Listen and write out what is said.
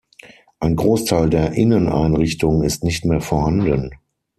Ein Großteil der Inneneinrichtung ist nicht mehr vorhanden.